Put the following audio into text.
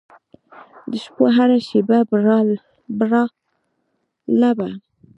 د شپو هره شیبه برالبه